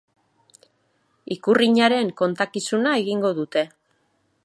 Ikurrinaren kontakizuna egingo dute.